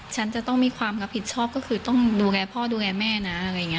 ฉันจะต้องมีความผิดชอบก็คือต้องดูแลพ่อดูแลแม่นะ